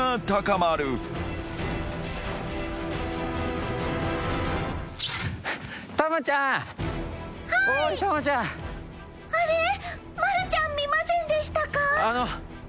まるちゃん見ませんでしたか？